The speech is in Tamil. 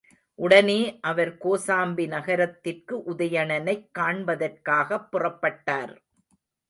உடனே அவர் கோசாம்பி நகரத்திற்கு உதயணனைக் காண்பதற்காகப் புறப்பட்டார்.